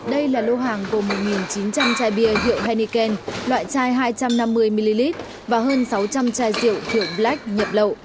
đây là lô hàng gồm một chín trăm linh chai bia rượu henneken loại chai hai trăm năm mươi ml và hơn sáu trăm linh chai rượu thượng black nhập lậu